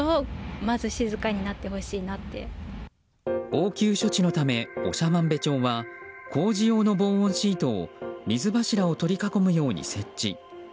応急処置のため、長万部町は工事用の防音シートを水柱を取り囲むように設置。